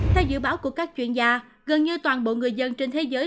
theo dự báo của các chuyên gia gần như toàn bộ người dân trên thế giới